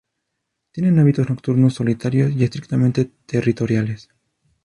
Tienen hábitos nocturnos, solitarios y estrictamente territoriales.